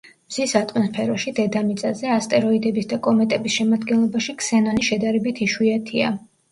მზის ატმოსფეროში, დედამიწაზე, ასტეროიდების და კომეტების შემადგენლობაში ქსენონი შედარებით იშვიათია.